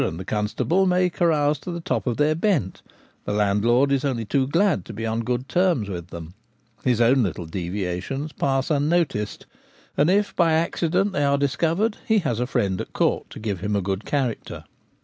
213 and the constable may carouse to the top of their bent : the landlord is only too glad to be on good terms with them ; his own little deviations pass unnoticed, and if by accident they are discovered he has a friend at court to give him a good character.